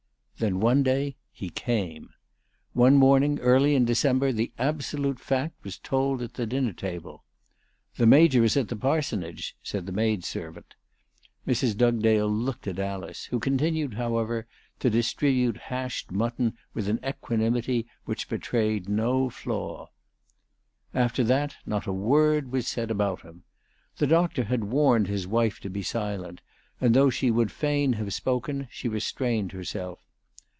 Then one day he came. One morning early in December the absolute fact was told at the dinner table. " The Major is at the parsonage," said the maid servant. Mrs. Dugdale looked at Alice, who continued, however, to distribute hashed mutton with an equanimity which betrayed no flaw. After that not a word was said about him. The doctor had warned his wife to be silent ; and though she would fain have spoken, she restrained herself.